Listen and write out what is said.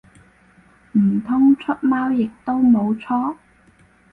唔通出貓亦都冇錯？